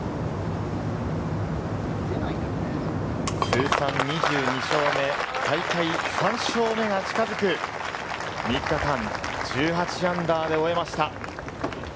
通算２２勝目、大会３勝目が近づく３日間、−１８で終えました。